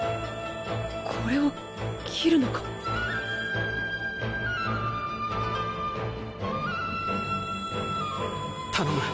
これを切るのか！？頼むっ！